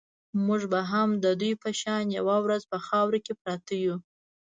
موږ به هم د دوی په شان یوه ورځ په خاورو کې پراته یو.